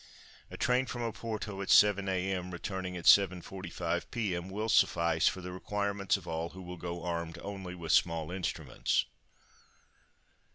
A train from Oporto at 7 a.m. returning at 7.45 p.m. will suffice for the requirements of all who will go armed only with small instruments.